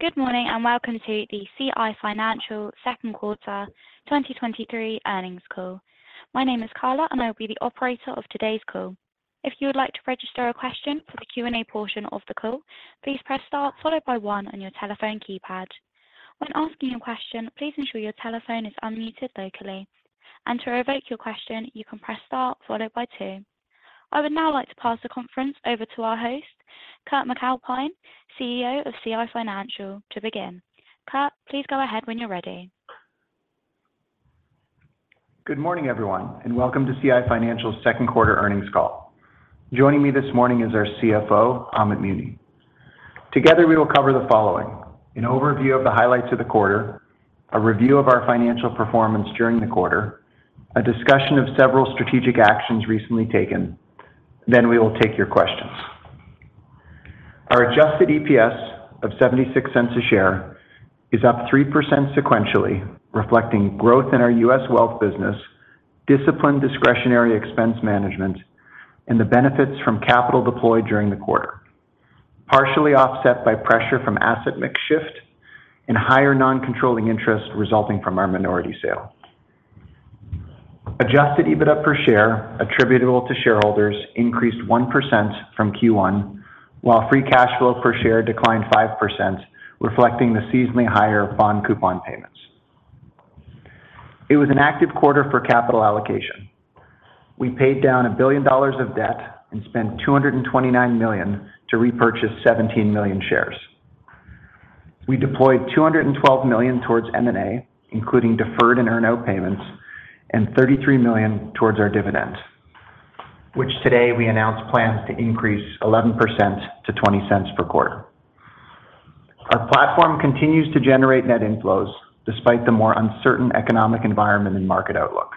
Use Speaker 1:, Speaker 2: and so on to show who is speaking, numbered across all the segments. Speaker 1: Good morning, and welcome to the CI Financial Q2 2023 earnings call. My name is Carla, and I will be the operator of today's call. If you would like to register a question for the Q&A portion of the call, please press Star followed by one on your telephone keypad. When asking a question, please ensure your telephone is unmuted locally, and to revoke your question, you can press Star followed by two. I would now like to pass the conference over to our host, Kurt MacAlpine, CEO of CI Financial to begin. Kurt, please go ahead when you're ready.
Speaker 2: Good morning, everyone, and welcome to CI Financial's second quarter earnings call. Joining me this morning is our CFO, Amit Muni. Together, we will cover the following: an overview of the highlights of the quarter, a review of our financial performance during the quarter, a discussion of several strategic actions recently taken. We will take your questions. Our adjusted EPS of $0.76 a share is up 3% sequentially, reflecting growth in our U.S. wealth business, disciplined discretionary expense management, and the benefits from capital deployed during the quarter, partially offset by pressure from asset mix shift and higher non-controlling interest resulting from our minority sale. Adjusted EBITDA per share attributable to shareholders increased 1% from Q1, while free cash flow per share declined 5%, reflecting the seasonally higher bond coupon payments. It was an active quarter for capital allocation. We paid down 1 billion dollars of debt and spent 229 million to repurchase 17 million shares. We deployed 212 million towards M&A, including deferred and earn-out payments, and 33 million towards our dividends, which today we announced plans to increase 11% to 0.20 per quarter. Our platform continues to generate net inflows despite the more uncertain economic environment and market outlook.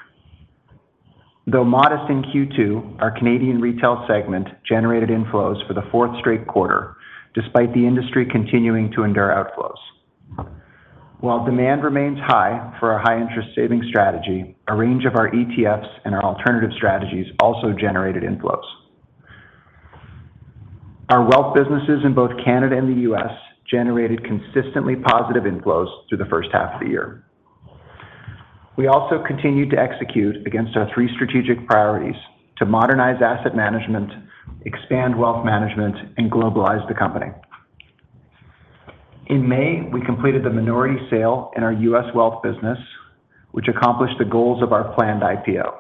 Speaker 2: Though modest in Q2, our Canadian retail segment generated inflows for the fourth straight quarter, despite the industry continuing to endure outflows. While demand remains high for our high interest savings strategy, a range of our ETFs and our alternative strategies also generated inflows. Our wealth businesses in both Canada and the US generated consistently positive inflows through the first half of the year. We also continued to execute against our three strategic priorities to modernize asset management, expand wealth management, and globalize the company. In May, we completed the minority sale in our U.S. wealth business, which accomplished the goals of our planned IPO.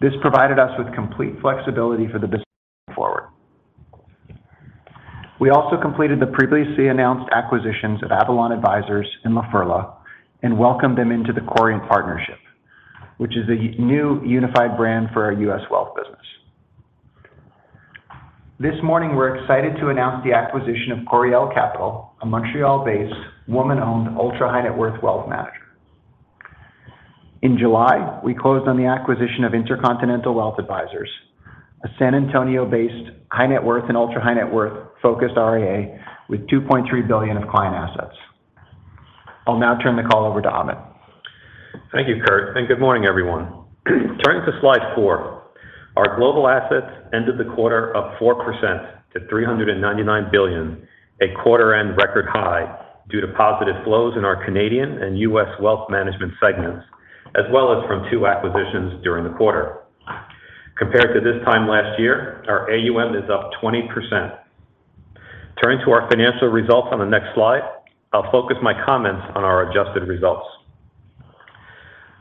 Speaker 2: This provided us with complete flexibility for the business going forward. We also completed the previously announced acquisitions of Avalon Advisors and La Ferla and welcomed them into the Corient Partnership, which is a new unified brand for our U.S. wealth business. This morning, we're excited to announce the acquisition of Coriel Capital, a Montreal-based, woman-owned, ultra-high-net-worth wealth manager. In July, we closed on the acquisition of Intercontinental Wealth Advisors, a San Antonio-based high-net-worth and ultra-high-net-worth focused RIA with $2.3 billion of client assets. I'll now turn the call over to Amit.
Speaker 3: Thank you, Kurt. Good morning, everyone. Turning to slide four, our global assets ended the quarter up 4% to $399 billion, a quarter end record high due to positive flows in our Canadian and US wealth management segments, as well as from two acquisitions during the quarter. Compared to this time last year, our AUM is up 20%. Turning to our financial results on the next slide, I'll focus my comments on our adjusted results.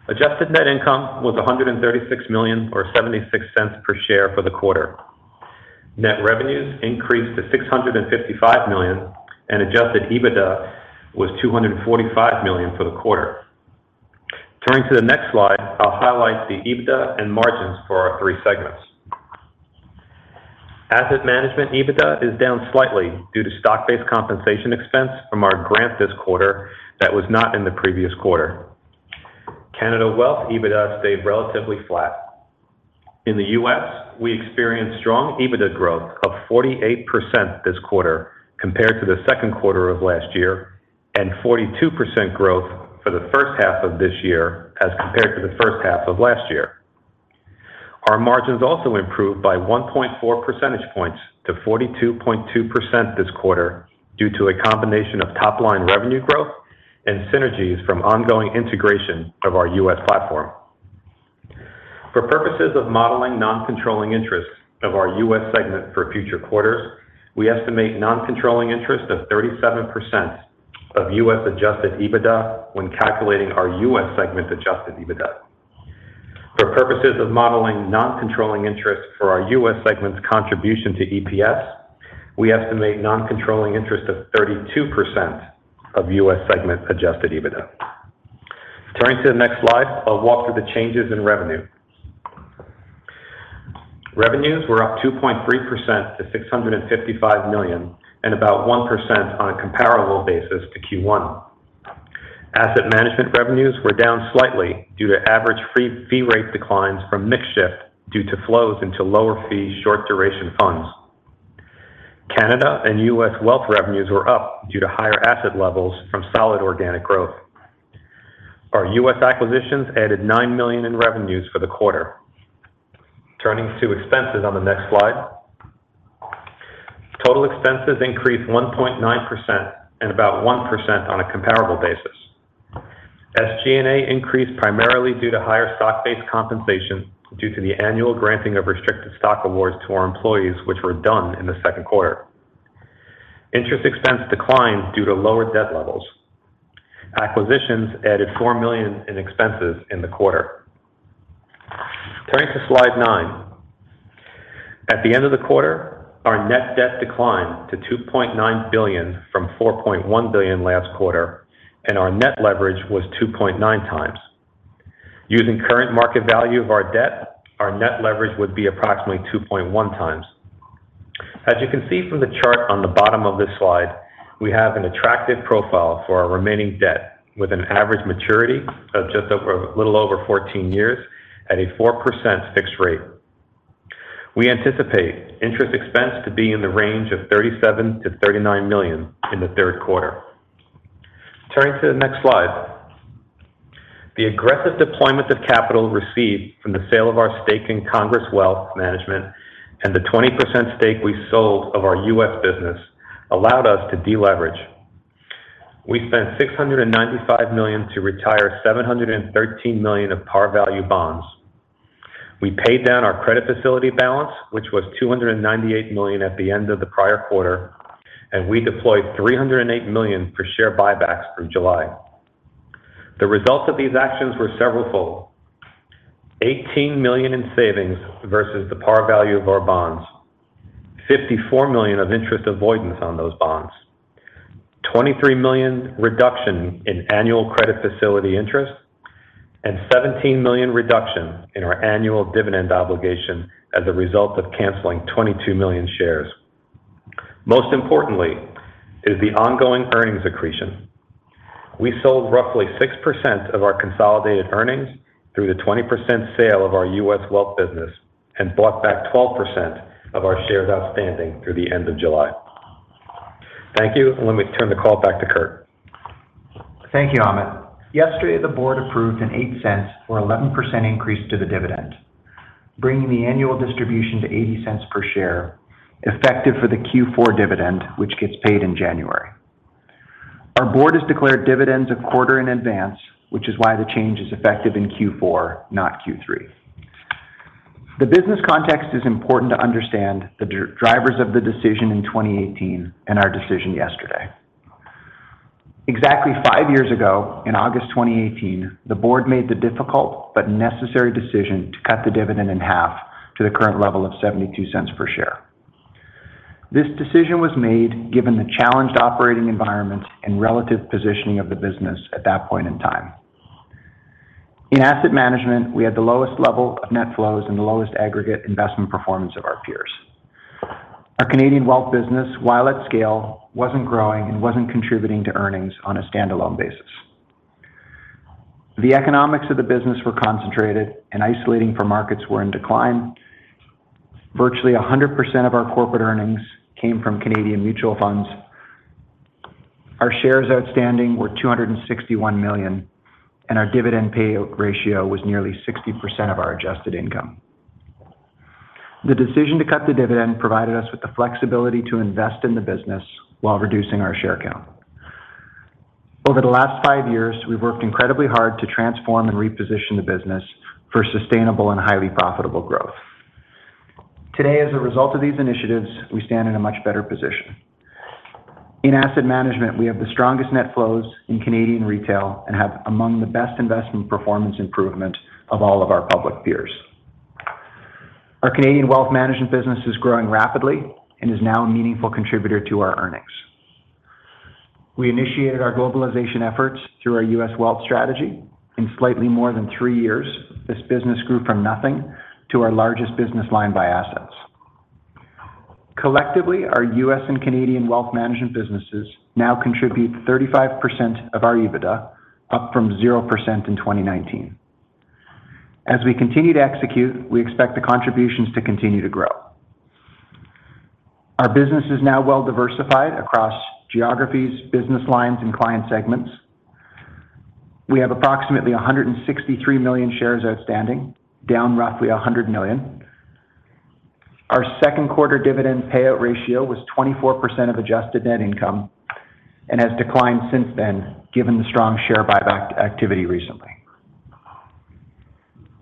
Speaker 3: Adjusted net income was $136 million, or $0.76 per share for the quarter. Net revenues increased to $655 million, and Adjusted EBITDA was $245 million for the quarter. Turning to the next slide, I'll highlight the EBITDA and margins for our three segments. Asset management EBITDA is down slightly due to stock-based compensation expense from our grant this quarter that was not in the previous quarter. Canada Wealth EBITDA stayed relatively flat. In the U.S., we experienced strong EBITDA growth of 48% this quarter compared to the second quarter of last year, and 42% growth for the first half of this year as compared to the first half of last year. Our margins also improved by 1.4 percentage points to 42.2% this quarter, due to a combination of top-line revenue growth and synergies from ongoing integration of our US platform. For purposes of modeling non-controlling interest of our U.S. segment for future quarters, we estimate non-controlling interest of 37% of US adjusted EBITDA when calculating our US segment adjusted EBITDA. For purposes of modeling non-controlling interest for our US segment's contribution to EPS, we estimate non-controlling interest of 32% of US segment adjusted EBITDA. Turning to the next slide, I'll walk through the changes in revenue. Revenues were up 2.3% to $655 million, and about 1% on a comparable basis to Q1. Asset management revenues were down slightly due to average free fee rate declines from mix shift due to flows into lower fee, short duration funds. Canada and US wealth revenues were up due to higher asset levels from solid organic growth. Our US acquisitions added $9 million in revenues for the quarter. Turning to expenses on the next slide. Total expenses increased 1.9% and about 1% on a comparable basis. SG&A increased primarily due to higher stock-based compensation, due to the annual granting of restricted stock awards to our employees, which were done in the second quarter. Interest expense declined due to lower debt levels. Acquisitions added 4 million in expenses in the quarter. Turning to slide nine. At the end of the quarter, our net debt declined to 2.9 billion from 4.1 billion last quarter, and our net leverage was 2.9x. Using current market value of our debt, our net leverage would be approximately 2.1x. As you can see from the chart on the bottom of this slide, we have an attractive profile for our remaining debt, with an average maturity of just over, a little over 14 years at a 4% fixed rate. We anticipate interest expense to be in the range of $37 million-$39 million in the third quarter. Turning to the next slide. The aggressive deployment of capital received from the sale of our stake in Congress Wealth Management and the 20% stake we sold of our US business allowed us to deleverage. We spent $695 million to retire $713 million of par value bonds. We paid down our credit facility balance, which was $298 million at the end of the prior quarter. We deployed $308 million for share buybacks from July. The results of these actions were severalfold. 18 million in savings versus the par value of our bonds, 54 million of interest avoidance on those bonds, 23 million reduction in annual credit facility interest, 17 million reduction in our annual dividend obligation as a result of canceling 22 million shares. Most importantly is the ongoing earnings accretion. We sold roughly 6% of our consolidated earnings through the 20% sale of our U.S. wealth business and bought back 12% of our shares outstanding through the end of July. Thank you. Let me turn the call back to Kurt.
Speaker 2: Thank you, Amit. Yesterday, the board approved a 0.08 or 11% increase to the dividend, bringing the annual distribution to 0.80 per share, effective for the Q4 dividend, which gets paid in January. Our board has declared dividends a quarter in advance, which is why the change is effective in Q4, not Q3. The business context is important to understand the drivers of the decision in 2018 and our decision yesterday. Exactly five years ago, in August 2018, the board made the difficult but necessary decision to cut the dividend in half to the current level of 0.72 per share. This decision was made given the challenged operating environment and relative positioning of the business at that point in time. In asset management, we had the lowest level of net flows and the lowest aggregate investment performance of our peers. Our Canadian wealth business, while at scale, wasn't growing and wasn't contributing to earnings on a standalone basis. The economics of the business were concentrated and isolating for markets were in decline. Virtually 100% of our corporate earnings came from Canadian mutual funds. Our shares outstanding were 261 million, and our dividend payout ratio was nearly 60% of our adjusted income. The decision to cut the dividend provided us with the flexibility to invest in the business while reducing our share count. Over the last five years, we've worked incredibly hard to transform and reposition the business for sustainable and highly profitable growth. Today, as a result of these initiatives, we stand in a much better position. In asset management, we have the strongest net flows in Canadian retail and have among the best investment performance improvement of all of our public peers. Our Canadian wealth management business is growing rapidly and is now a meaningful contributor to our earnings. We initiated our globalization efforts through our U.S. wealth strategy. In slightly more than three years, this business grew from nothing to our largest business line by assets. Collectively, our U.S. and Canadian wealth management businesses now contribute 35% of our EBITDA, up from 0% in 2019. As we continue to execute, we expect the contributions to continue to grow. Our business is now well diversified across geographies, business lines, and client segments. We have approximately 163 million shares outstanding, down roughly 100 million. Our second quarter dividend payout ratio was 24% of adjusted net income and has declined since then, given the strong share buyback activity recently.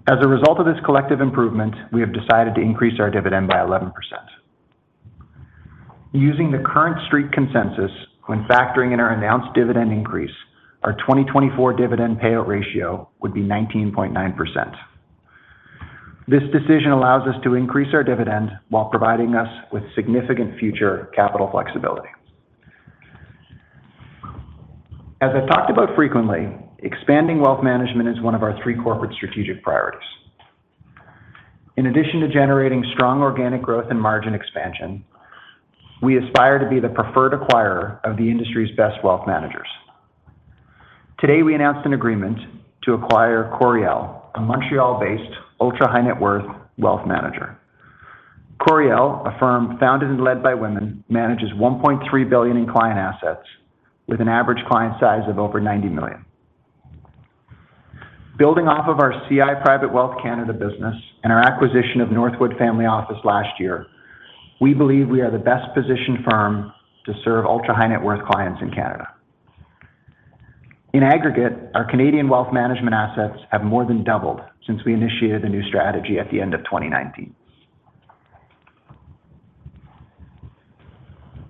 Speaker 2: As a result of this collective improvement, we have decided to increase our dividend by 11%. Using the current street consensus, when factoring in our announced dividend increase, our 2024 dividend payout ratio would be 19.9%. This decision allows us to increase our dividend while providing us with significant future capital flexibility. As I've talked about frequently, expanding wealth management is one of our three corporate strategic priorities. In addition to generating strong organic growth and margin expansion, we aspire to be the preferred acquirer of the industry's best wealth managers. Today, we announced an agreement to acquire Coriel, a Montreal-based ultra-high-net-worth wealth manager. Coriel, a firm founded and led by women, manages 1.3 billion in client assets, with an average client size of over 90 million. Building off of our CI Private Wealth Canada business and our acquisition of Northwood Family Office last year, we believe we are the best-positioned firm to serve ultra-high-net-worth clients in Canada. In aggregate, our Canadian wealth management assets have more than doubled since we initiated the new strategy at the end of 2019.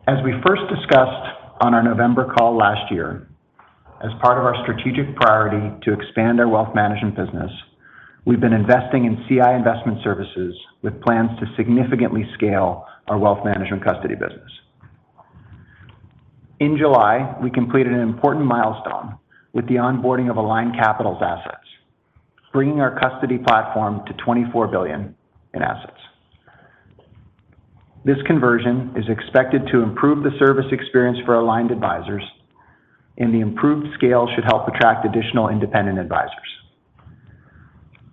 Speaker 2: As we first discussed on our November call last year, as part of our strategic priority to expand our wealth management business, we've been investing in CI Investment Services with plans to significantly scale our wealth management custody business. In July, we completed an important milestone with the onboarding of Aligned Capital's assets, bringing our custody platform to $24 billion in assets. This conversion is expected to improve the service experience for Aligned advisors, and the improved scale should help attract additional independent advisors.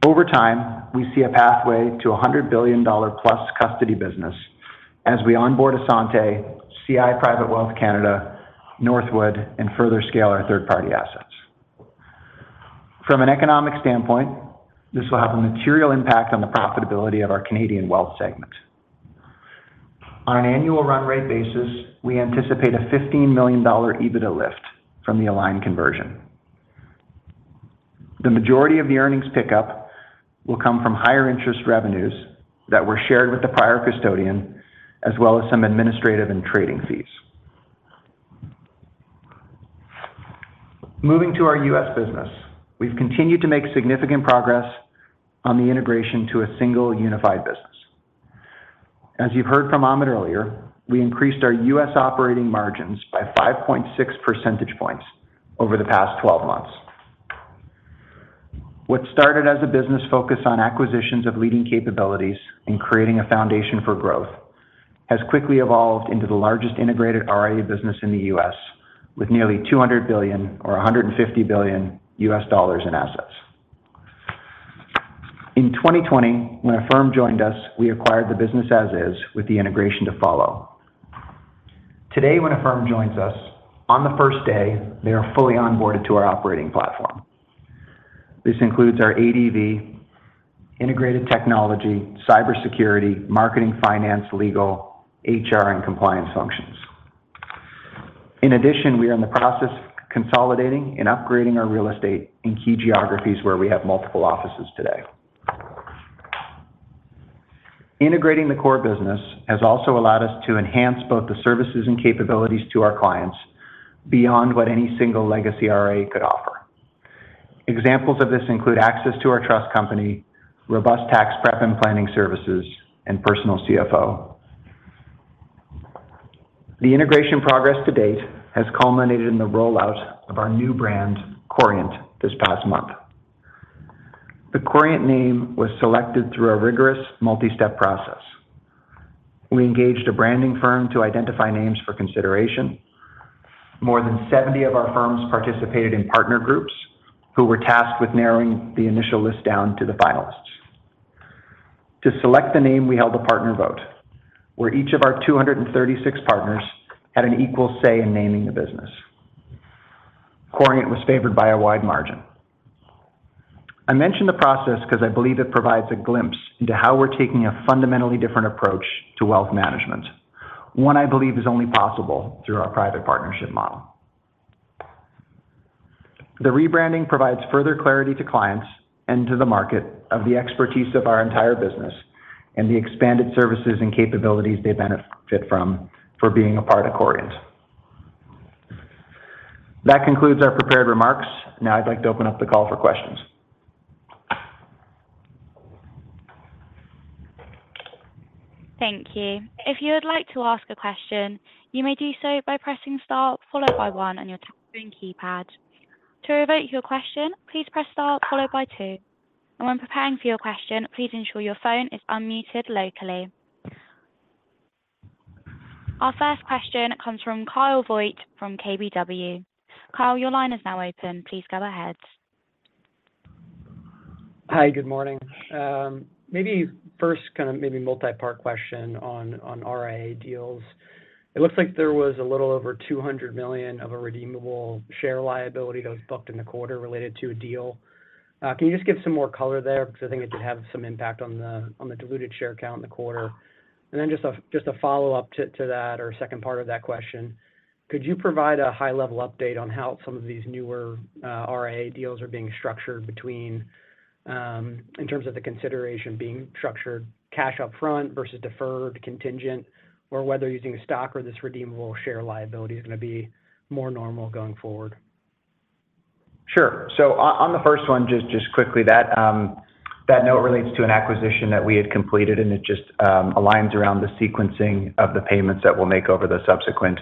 Speaker 2: Over time, we see a pathway to a 100 billion dollar+ custody business as we onboard Assante, CI Private Wealth Canada, Northwood, and further scale our third-party assets. From an economic standpoint, this will have a material impact on the profitability of our Canadian wealth segment. On an annual run rate basis, we anticipate a 15 million dollar EBITDA lift from the Aligned conversion. The majority of the earnings pickup will come from higher interest revenues that were shared with the prior custodian, as well as some administrative and trading fees. Moving to our U.S. business, we've continued to make significant progress on the integration to a single unified business. As you've heard from Amit earlier, we increased our U.S. operating margins by 5.6 percentage points over the past 12 months. What started as a business focused on acquisitions of leading capabilities and creating a foundation for growth, has quickly evolved into the largest integrated RIA business in the U.S., with nearly $200 billion or $150 billion U.S. dollars in assets. In 2020, when a firm joined us, we acquired the business as is with the integration to follow. Today, when a firm joins us, on the first day, they are fully onboarded to our operating platform. This includes our ADV, integrated technology, cybersecurity, marketing, finance, legal, HR, and compliance functions. In addition, we are in the process of consolidating and upgrading our real estate in key geographies where we have multiple offices today. Integrating the core business has also allowed us to enhance both the services and capabilities to our clients beyond what any single legacy RIA could offer. Examples of this include access to our trust company, robust tax prep and planning services, and personal CFO. The integration progress to date has culminated in the rollout of our new brand, Corient, this past month. The Corient name was selected through a rigorous multi-step process. We engaged a branding firm to identify names for consideration. More than 70 of our firms participated in partner groups, who were tasked with narrowing the initial list down to the finalists. To select the name, we held a partner vote, where each of our 236 partners had an equal say in naming the business. Corient was favored by a wide margin. I mention the process because I believe it provides a glimpse into how we're taking a fundamentally different approach to wealth management. One I believe is only possible through our private partnership model. The rebranding provides further clarity to clients and to the market of the expertise of our entire business and the expanded services and capabilities they benefit from for being a part of Corient. That concludes our prepared remarks. I'd like to open up the call for questions.
Speaker 1: Thank you. If you would like to ask a question, you may do so by pressing star followed by one on your phone keypad. To revoke your question, please press star followed by two. When preparing for your question, please ensure your phone is unmuted locally. Our first question comes from Kyle Voigt from KBW. Kyle, your line is now open. Please go ahead.
Speaker 4: Hi, good morning. maybe first, kind of maybe multi-part question on, on RIA deals. It looks like there was a little over $200 million of a redeemable share liability that was booked in the quarter related to a deal. can you just give some more color there? Because I think it did have some impact on the, on the diluted share count in the quarter. Then just a, just a follow-up to, to that, or second part of that question: Could you provide a high-level update on how some of these newer, RIA deals are being structured between, in terms of the consideration being structured cash up front versus deferred, contingent, or whether using stock or this redeemable share liability is going to be more normal going forward?
Speaker 2: Sure. On, on the first one, just, just quickly, that note relates to an acquisition that we had completed, and it just aligns around the sequencing of the payments that we'll make over the subsequent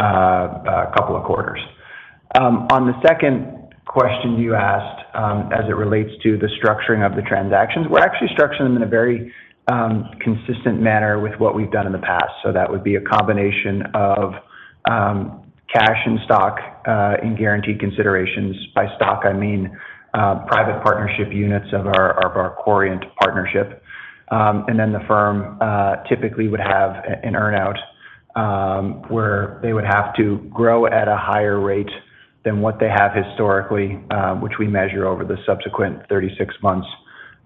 Speaker 2: couple of quarters. On the second question you asked, as it relates to the structuring of the transactions, we're actually structuring them in a very consistent manner with what we've done in the past. That would be a combination of cash and stock in guaranteed considerations. By stock, I mean public-private partnership units of our, of our Corient partnership. Then the firm typically would have an earn-out where they would have to grow at a higher rate than what they have historically, which we measure over the subsequent 36 months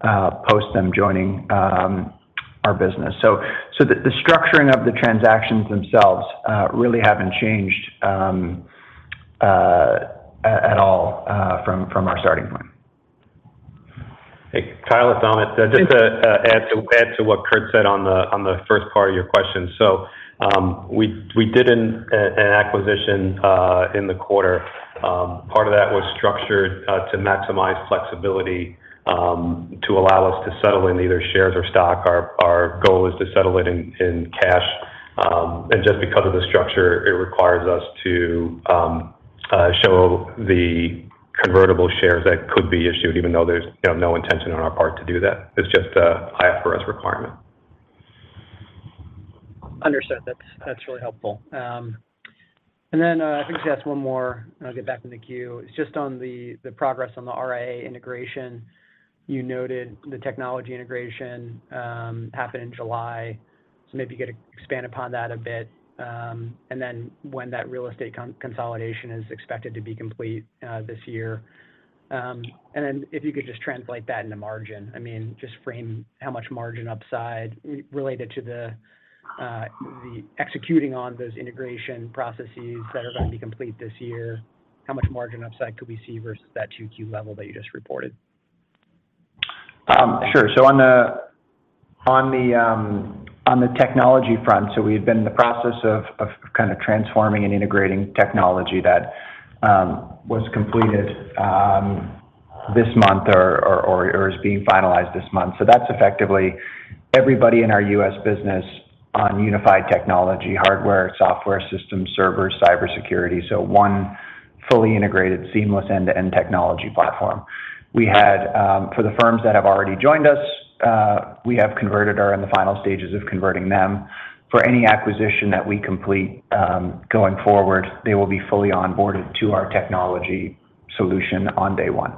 Speaker 2: post them joining our business. The structuring of the transactions themselves really haven't changed at all from our starting point.
Speaker 3: Hey, Kyle, it's Amit. Just to add to, add to what Kurt said on the, on the first part of your question. We, we did an, an acquisition in the quarter. Part of that was structured, to maximize flexibility, to allow us to settle in either shares or stock. Our, our goal is to settle it in, in cash. Just because of the structure, it requires us to show the convertible shares that could be issued, even though there's, you know, no intention on our part to do that. It's just a IFRS requirement.
Speaker 4: Understood. That's, that's really helpful. I think just one more and I'll get back in the queue. It's just on the progress on the RIA integration. You noted the technology integration happened in July, maybe you could expand upon that a bit. When that real estate consolidation is expected to be complete this year. If you could just translate that into margin. I mean, just frame how much margin upside related to the executing on those integration processes that are going to be complete this year, how much margin upside could we see versus that Q2 level that you just reported?
Speaker 2: Sure. On the technology front, we've been in the process of kind of transforming and integrating technology that was completed this month or is being finalized this month. That's effectively everybody in our U.S. business on unified technology, hardware, software, system, servers, cybersecurity. One fully integrated, seamless end-to-end technology platform. We had, for the firms that have already joined us, we have converted or are in the final stages of converting them. For any acquisition that we complete, going forward, they will be fully onboarded to our technology solution on day one.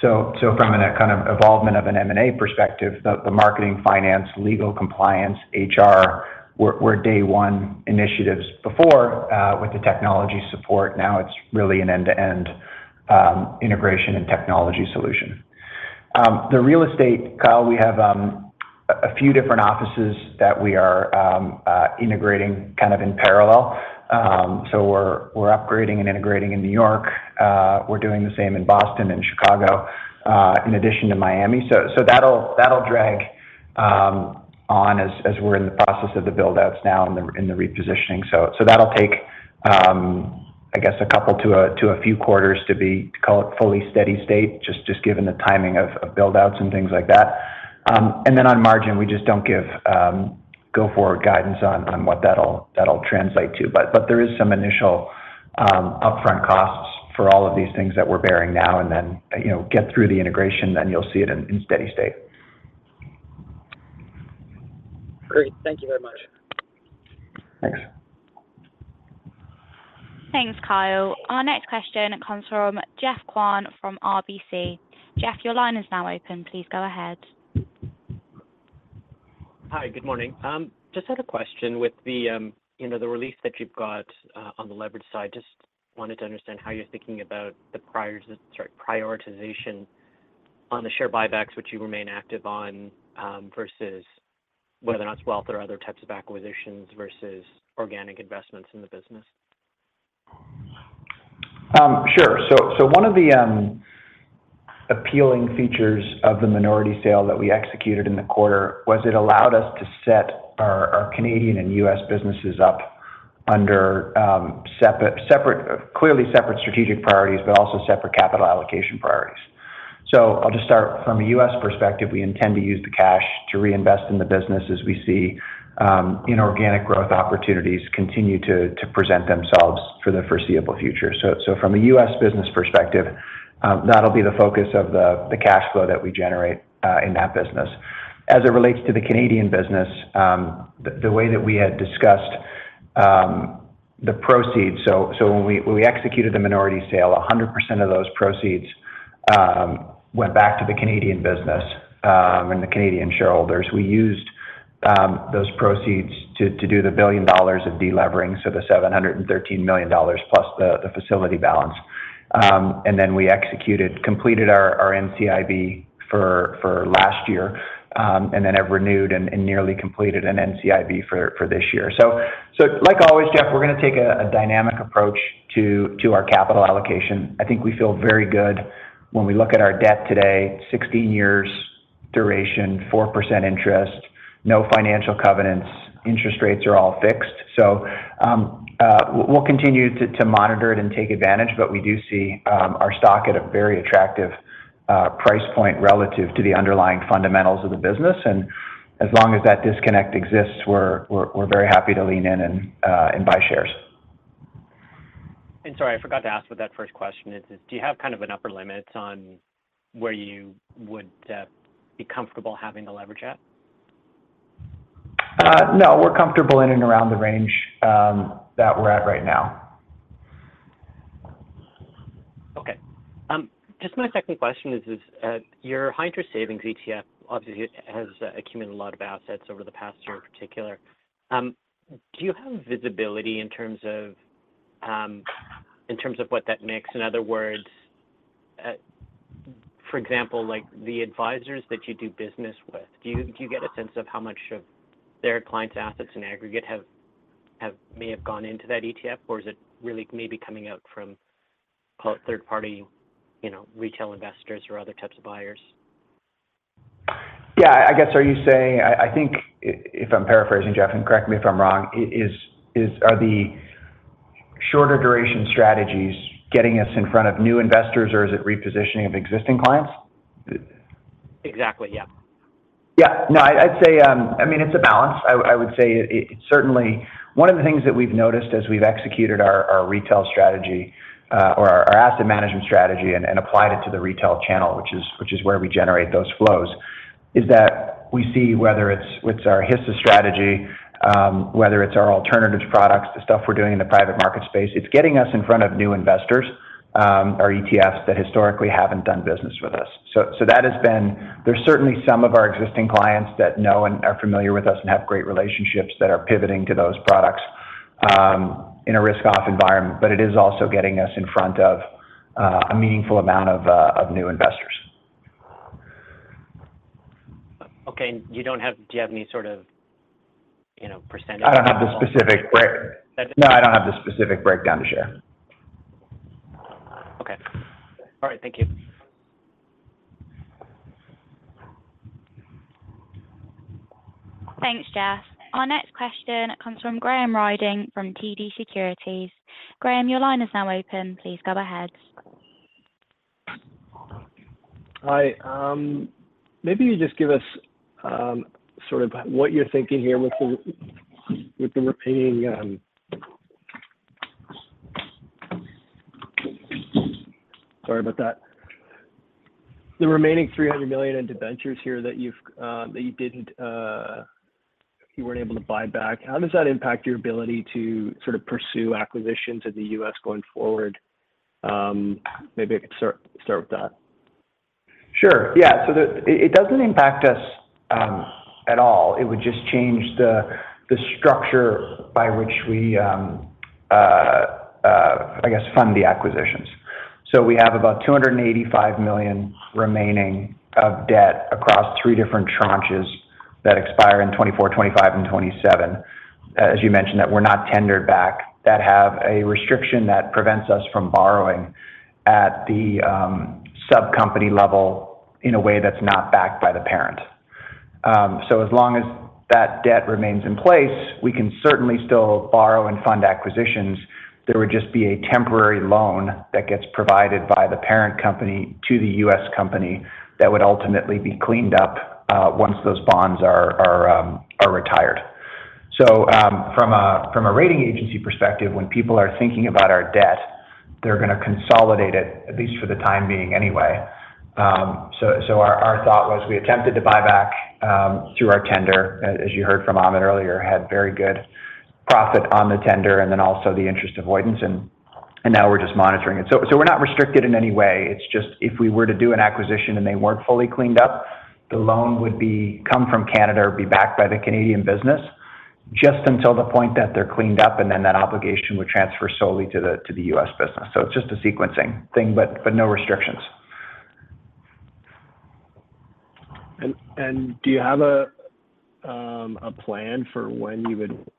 Speaker 2: From a kind of evolvement of an M&A perspective, the marketing, finance, legal, compliance, HR, were day one initiatives before with the technology support. Now it's really an end-to-end integration and technology solution. The real estate, Kyle, we have a few different offices that we are integrating kind of in parallel. We're upgrading and integrating in New York. We're doing the same in Boston and Chicago, in addition to Miami. That'll, that'll drag on as, as we're in the process of the buildouts now and the, and the repositioning. That'll take, I guess, a couple to a few quarters to be, call it, fully steady state, just, just given the timing of, of buildouts and things like that. Then on margin, we just don't give go forward guidance on, on what that'll, that'll translate to. But there is some initial upfront costs for all of these things that we're bearing now and then, you know, get through the integration, then you'll see it in, in steady state.
Speaker 4: Great. Thank you very much.
Speaker 2: Thanks.
Speaker 1: Thanks, Kyle. Our next question comes from Geoffrey Kwan from RBC. Jeff, your line is now open. Please go ahead.
Speaker 5: Hi, good morning. Just had a question with the, you know, the release that you've got on the leverage side. Just wanted to understand how you're thinking about the priors, sorry, prioritization on the share buybacks, which you remain active on, versus whether or not it's wealth or other types of acquisitions versus organic investments in the business.
Speaker 2: Sure. So one of the appealing features of the minority sale that we executed in the quarter was it allowed us to set our Canadian and U.S. businesses up under separate, separate, clearly separate strategic priorities, but also separate capital allocation priorities. I'll just start from a U.S. perspective. We intend to use the cash to reinvest in the business as we see inorganic growth opportunities continue to present themselves for the foreseeable future. So from a U.S. business perspective, that'll be the focus of the cash flow that we generate in that business. As it relates to the Canadian business, the way that we had discussed the proceeds. When we, when we executed the minority sale, 100% of those proceeds went back to the Canadian business and the Canadian shareholders. We used those proceeds to do the $1 billion of delevering, so the $713 million plus the facility balance. And then we executed, completed our NCIB for last year, and then have renewed and nearly completed an NCIB for this year. Like always, Jeoff, we're going to take a dynamic approach to our capital allocation. I think we feel very good when we look at our debt today, 16 years duration, 4% interest, no financial covenants, interest rates are all fixed. We'll continue to monitor it and take advantage, but we do see our stock at a very attractive price point relative to the underlying fundamentals of the business. As long as that disconnect exists, we're very happy to lean in and buy shares.
Speaker 5: Sorry, I forgot to ask what that first question is. Do you have kind of an upper limits on where you would be comfortable having the leverage at?
Speaker 2: No, we're comfortable in and around the range that we're at right now.
Speaker 5: Okay. Just my second question is, is your High Interest Savings ETF obviously has accumulated a lot of assets over the past term in particular. Do you have visibility in terms of in terms of what that mix, in other words, for example, like the advisors that you do business with, do you, do you get a sense of how much of their clients assets in aggregate have may have gone into that ETF? Or is it really maybe coming out from third party, you know, retail investors or other types of buyers?
Speaker 2: Yeah, I guess, are you saying-- I, I think if I'm paraphrasing, Jeff, and correct me if I'm wrong, is, is, are the shorter duration strategies getting us in front of new investors, or is it repositioning of existing clients?
Speaker 5: Exactly, yeah.
Speaker 2: Yeah. No, I'd, I'd say, I mean, it's a balance. I, I would say it, certainly one of the things that we've noticed as we've executed our, our retail strategy, or our asset management strategy and, and applied it to the retail channel, which is, which is where we generate those flows, is that we see whether it's with our HISA strategy, whether it's our alternatives products, the stuff we're doing in the private market space, it's getting us in front of new investors, our ETFs that historically haven't done business with us. So that has been. There's certainly some of our existing clients that know and are familiar with us and have great relationships that are pivoting to those products, in a risk-off environment. It is also getting us in front of a meaningful amount of new investors.
Speaker 5: Okay. You don't have. Do you have any sort of, you know, percentage?
Speaker 2: I don't have the specific break-
Speaker 5: That-
Speaker 2: No, I don't have the specific breakdown to share.
Speaker 5: Okay. All right. Thank you.
Speaker 1: Thanks, Jeff. Our next question comes from Graham Ryding from TD Securities. Graham, your line is now open. Please go ahead.
Speaker 6: Hi. Maybe you just give us, sort of what you're thinking here with the, with the remaining. Sorry about that. The remaining $300 million in debentures here that you've, that you didn't, you weren't able to buy back. How does that impact your ability to sort of pursue acquisitions in the US going forward? Maybe I could start, start with that.
Speaker 2: Sure. Yeah. The, it, it doesn't impact us at all. It would just change the, the structure by which we, I guess, fund the acquisitions. We have about 285 million remaining of debt across three different tranches that expire in 2024, 2025, and 2027. As you mentioned, that we're not tendered back, that have a restriction that prevents us from borrowing at the sub-company level in a way that's not backed by the parent. As long as that debt remains in place, we can certainly still borrow and fund acquisitions. There would just be a temporary loan that gets provided by the parent company to the U.S. company that would ultimately be cleaned up once those bonds are, are retired. From a, from a rating agency perspective, when people are thinking about our debt, they're gonna consolidate it, at least for the time being anyway. Our, our thought was we attempted to buy back, through our tender, as you heard from Amit earlier, had very good profit on the tender and then also the interest avoidance, and, and now we're just monitoring it. We're not restricted in any way. It's just if we were to do an acquisition and they weren't fully cleaned up, the loan would be, come from Canada or be backed by the Canadian business just until the point that they're cleaned up, and then that obligation would transfer solely to the, to the US business. It's just a sequencing thing, but, but no restrictions.
Speaker 6: Do you have a plan for when you would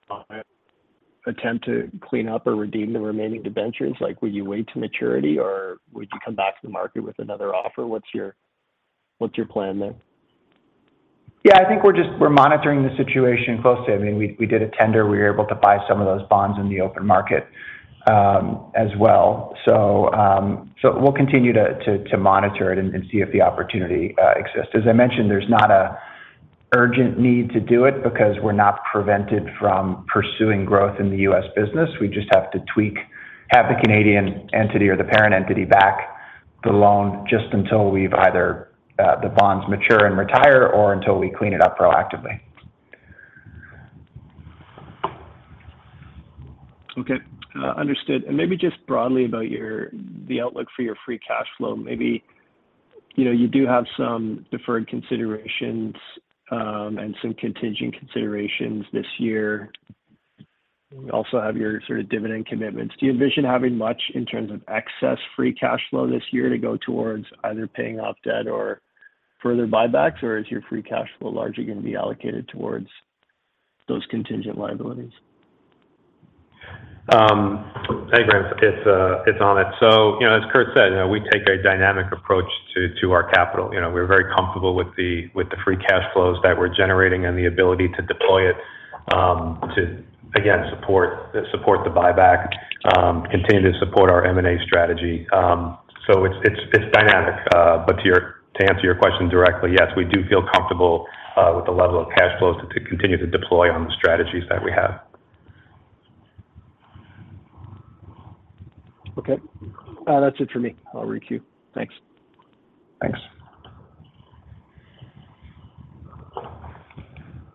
Speaker 6: attempt to clean up or redeem the remaining debentures? Like, would you wait to maturity, or would you come back to the market with another offer? What's your, what's your plan there?
Speaker 2: Yeah, I think we're just, we're monitoring the situation closely. I mean, we, we did a tender. We were able to buy some of those bonds in the open market, as well. So we'll continue to, to, to monitor it and, and see if the opportunity exists. As I mentioned, there's not a urgent need to do it because we're not prevented from pursuing growth in the US business. We just have to tweak, have the Canadian entity or the parent entity back the loan just until we've either, the bonds mature and retire, or until we clean it up proactively.
Speaker 6: Okay, understood. Maybe just broadly about your, the outlook for your free cash flow. Maybe, you know, you do have some deferred considerations and some contingent considerations this year. You also have your sort of dividend commitments. Do you envision having much in terms of excess free cash flow this year to go towards either paying off debt or further buybacks, or is your free cash flow largely going to be allocated towards those contingent liabilities?
Speaker 2: Hey, Graham, it's, it's Amit. You know, as Kurt said, you know, we take a dynamic approach to, to our capital. You know, we're very comfortable with the, with the free cash flows that we're generating and the ability to deploy it, to, again, support, support the buyback, continue to support our M&A strategy. It's, it's, it's dynamic. To your-- to answer your question directly, yes, we do feel comfortable, with the level of cash flows to continue to deploy on the strategies that we have.
Speaker 6: Okay, that's it for me. I'll requeue. Thanks. Thanks.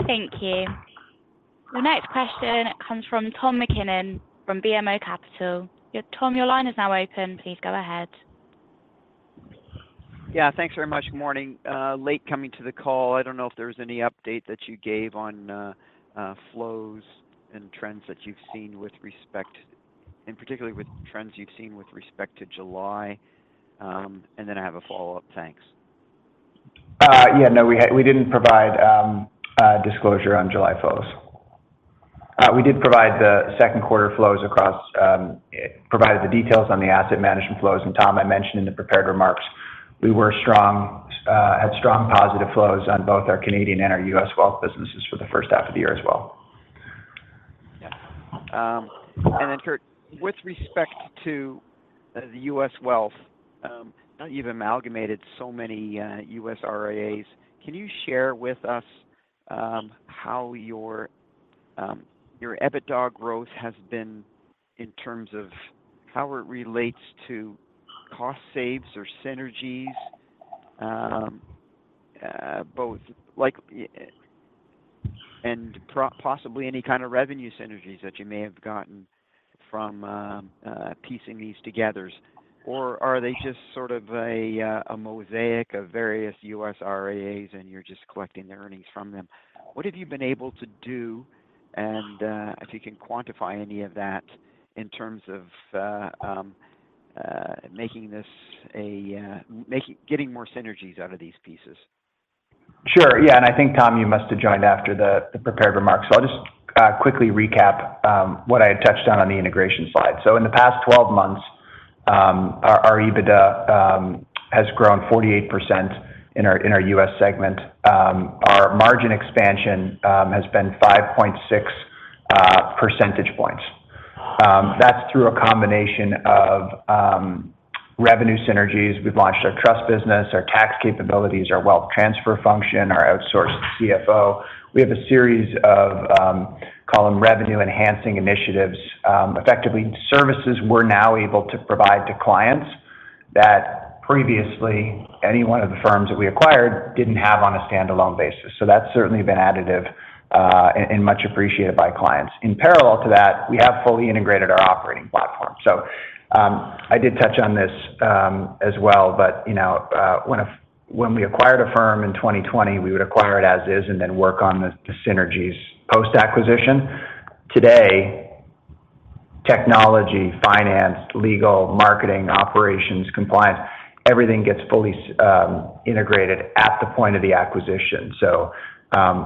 Speaker 1: Thank you. The next question comes from Tom MacKinnon from BMO Capital. Tom, your line is now open. Please go ahead.
Speaker 7: Yeah, thanks very much. Morning. Late coming to the call. I don't know if there was any update that you gave on flows and trends that you've seen with respect, and particularly with trends you've seen with respect to July. Then I have a follow-up. Thanks.
Speaker 2: Yeah, no, we didn't provide disclosure on July flows. We did provide the second quarter flows across, provided the details on the asset management flows. Tom, I mentioned in the prepared remarks, we were strong, had strong positive flows on both our Canadian and our US wealth businesses for the first half of the year as well.
Speaker 7: Yeah. Then Kurt, with respect to the U.S. wealth, now you've amalgamated so many U.S. RIAs, can you share with us how your EBITDA growth has been in terms of how it relates to cost saves or synergies? Possibly any kind of revenue synergies that you may have gotten from piecing these together. Or are they just sort of a mosaic of various U.S. RIAs, and you're just collecting the earnings from them? What have you been able to do? If you can quantify any of that in terms of getting more synergies out of these pieces.
Speaker 2: Sure. I think, Tom, you must have joined after the, the prepared remarks, so I'll just quickly recap what I had touched on, on the integration slide. In the past 12 months, our EBITDA has grown 48% in our US segment. Our margin expansion has been 5.6 percentage points. That's through a combination of revenue synergies. We've launched our trust business, our tax capabilities, our wealth transfer function, our outsourced CFO. We have a series of, call them revenue-enhancing initiatives, effectively, services we're now able to provide to clients that previously any one of the firms that we acquired didn't have on a standalone basis. That's certainly been additive and much appreciated by clients. In parallel to that, we have fully integrated our operating platform. I did touch on this as well, but, you know, when a, when we acquired a firm in 2020, we would acquire it as is and then work on the, the synergies post-acquisition. Today, technology, finance, legal, marketing, operations, compliance, everything gets fully integrated at the point of the acquisition.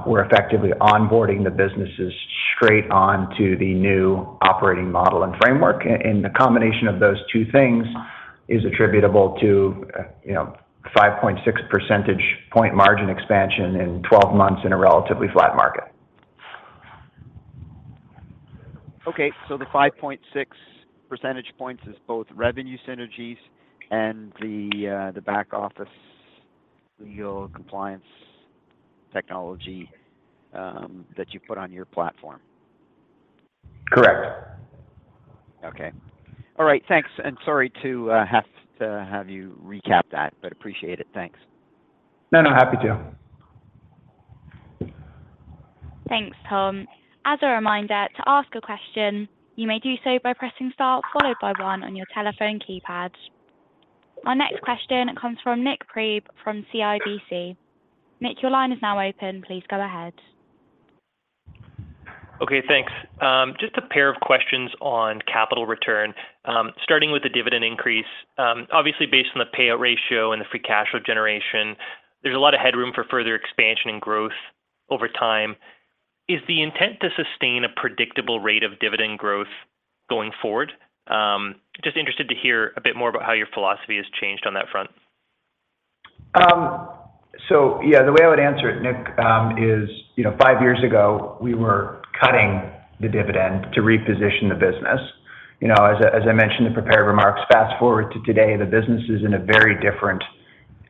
Speaker 2: We're effectively onboarding the businesses straight on to the new operating model and framework. The combination of those two things is attributable to, you know, 5.6 percentage point margin expansion in 12 months in a relatively flat market.
Speaker 7: Okay, the 5.6 percentage points is both revenue synergies and the back office legal compliance technology that you put on your platform?
Speaker 2: Correct.
Speaker 7: Okay. All right, thanks. Sorry to have to have you recap that. Appreciate it. Thanks.
Speaker 2: No, no, happy to.
Speaker 1: Thanks, Tom. As a reminder, to ask a question, you may do so by pressing star followed by one on your telephone keypad. Our next question comes from Nikolaus Priebe from CIBC. Nik, your line is now open. Please go ahead.
Speaker 8: Okay, thanks. Just a pair of questions on capital return. Starting with the dividend increase. Obviously, based on the payout ratio and the free cash flow generation, there's a lot of headroom for further expansion and growth over time. Is the intent to sustain a predictable rate of dividend growth going forward? Just interested to hear a bit more about how your philosophy has changed on that front.
Speaker 2: Yeah, the way I would answer it, Nik, is, you know, five years ago, we were cutting the dividend to reposition the business. You know, as I, as I mentioned in the prepared remarks, fast-forward to today, the business is in a very different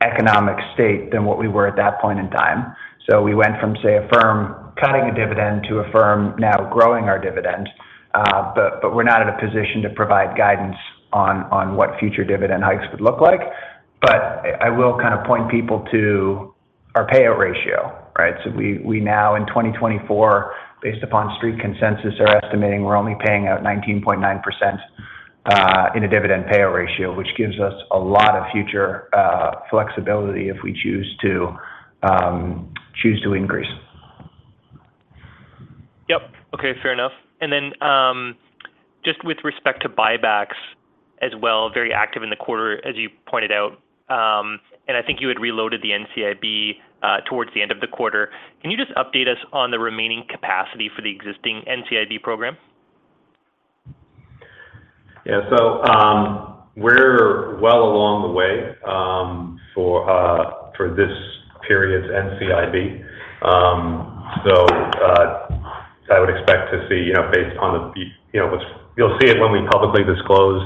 Speaker 2: economic state than what we were at that point in time. We went from, say, a firm cutting a dividend to a firm now growing our dividend. But we're not in a position to provide guidance on, on what future dividend hikes would look like. But I, I will kind of point people to our payout ratio, right? We, we now, in 2024, based upon street consensus, are estimating we're only paying out 19.9% in a dividend payout ratio, which gives us a lot of future flexibility if we choose to choose to increase.
Speaker 8: Yep. Okay, fair enough. Then, just with respect to buybacks as well, very active in the quarter, as you pointed out, and I think you had reloaded the NCIB, towards the end of the quarter. Can you just update us on the remaining capacity for the existing NCIB program?
Speaker 2: Yeah. We're well along the way for this period's NCIB. I would expect to see, you know, based on the, you know, which you'll see it when we publicly disclose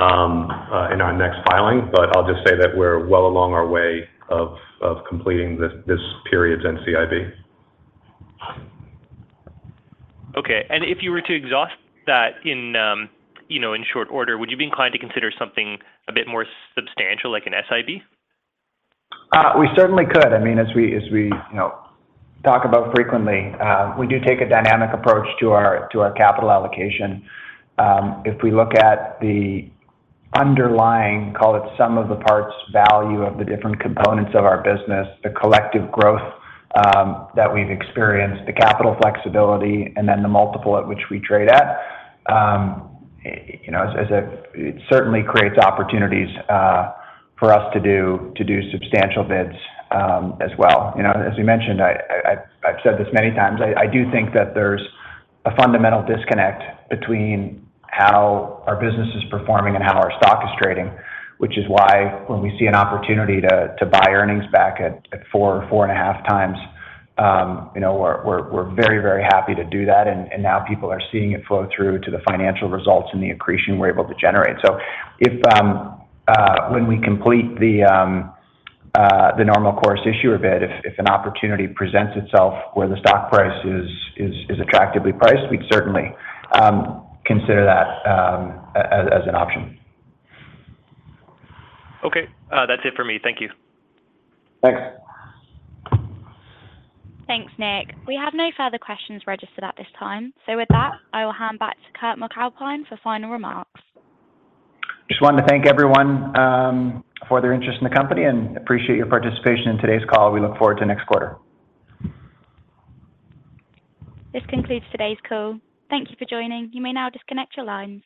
Speaker 2: in our next filing, but I'll just say that we're well along our way of completing this period's NCIB.
Speaker 8: Okay. If you were to exhaust that in, you know, in short order, would you be inclined to consider something a bit more substantial, like an SIB?
Speaker 2: We certainly could. I mean, as we, as we, you know, talk about frequently, we do take a dynamic approach to our, to our capital allocation. If we look at the underlying, call it, sum-of-the-parts value of the different components of our business, the collective growth that we've experienced, the capital flexibility, and then the multiple at which we trade at, you know, it certainly creates opportunities for us to do, to do substantial bids as well. You know, as we mentioned, I, I, I've said this many times, I, I do think that there's a fundamental disconnect between how our business is performing and how our stock is trading, which is why when we see an opportunity to, to buy earnings back at 4x-4.5x, you know, we're, we're, we're very, very happy to do that, and now people are seeing it flow through to the financial results and the accretion we're able to generate. If when we complete the Normal Course Issuer Bid, if an opportunity presents itself where the stock price is attractively priced, we'd certainly consider that as an option.
Speaker 8: Okay. That's it for me. Thank you.
Speaker 2: Thanks.
Speaker 1: Thanks, Nik. We have no further questions registered at this time. With that, I will hand back to Kurt MacAlpine for final remarks.
Speaker 2: Just wanted to thank everyone, for their interest in the company, and appreciate your participation in today's call. We look forward to next quarter.
Speaker 1: This concludes today's call. Thank you for joining. You may now disconnect your lines.